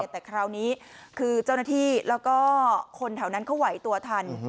แต่คราวนี้คือเจ้าหน้าที่แล้วก็คนแถวนั้นเขาไหวตัวทัน